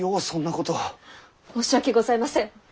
申し訳ございません！